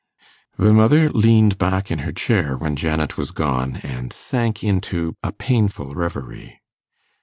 The mother leaned back in her chair when Janet was gone, and sank into a painful reverie.